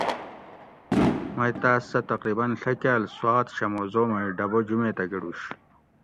مئ تاۤس سہ تقریباً ڷہ کاۤل سوات شموزو مئ ڈبہ جُمیتہ گڑوش